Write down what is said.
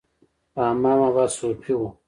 رحمان بابا صوفي و